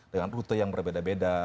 dengan rute yang berbeda beda